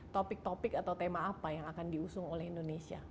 topik topik atau tema apa yang akan diusung oleh indonesia